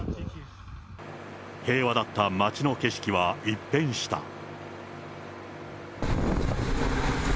平和だった街の景色は一変した。